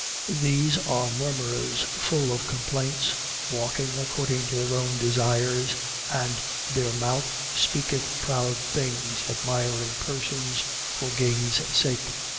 1:16. These are murmurers, full of complaints, walking according to their own desires: and their mouth speaketh proud things, admiring persons, for gain's sake.